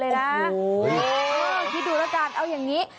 เมื่อเราคิดดูระการเอาอย่างนี้